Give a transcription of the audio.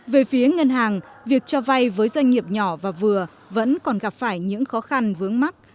về phía ngân hàng việc cho vay với doanh nghiệp nhỏ và vừa vẫn còn gặp phải những khó khăn vướng mắt